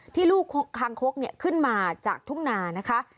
ลูกคางคกขึ้นมาจากทุ่งนานะคะ